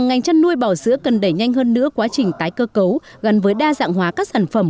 ngành chăn nuôi bò sữa cần đẩy nhanh hơn nữa quá trình tái cơ cấu gắn với đa dạng hóa các sản phẩm